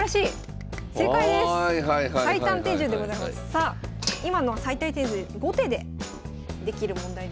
さあ今のは最短手順５手でできる問題でした。